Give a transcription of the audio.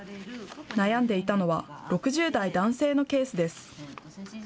悩んでいたのは６０代男性のケースです。